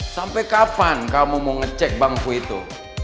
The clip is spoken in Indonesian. sampai kapan kamu mau ngecek bangku itu